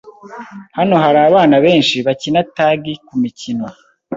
Hano hari abana benshi bakina tagi kumikino.